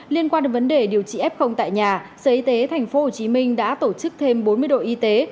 liên quan đến vấn đề điều trị f tại nhà sở y tế tp hcm đã tổ chức thêm bốn mươi đội y tế